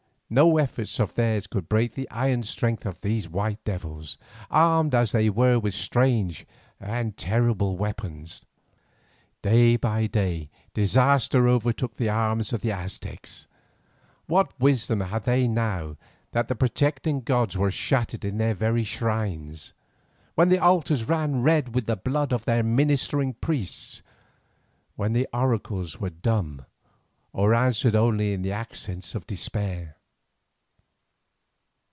No efforts of theirs could break the iron strength of these white devils, armed as they were with strange and terrible weapons. Day by day disaster overtook the arms of the Aztecs. What wisdom had they now that the protecting gods were shattered in their very shrines, when the altars ran red with the blood of their ministering priests, when the oracles were dumb or answered only in the accents of despair?